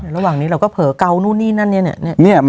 ระหว่างนี้เราก็เผลอเกาะนู่นนี่